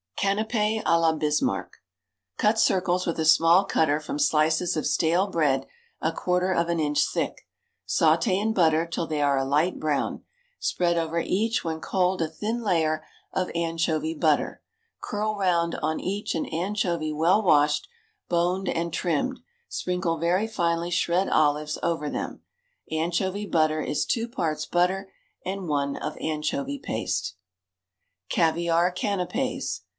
Canapés á la Bismarck. Cut circles with a small cutter from slices of stale bread a quarter of an inch thick; sauté in butter till they are a light brown; spread over each when cold a thin layer of anchovy butter; curl round on each an anchovy well washed, boned, and trimmed; sprinkle very finely shred olives over them. Anchovy butter is two parts butter and one of anchovy paste. _Caviare Canapés.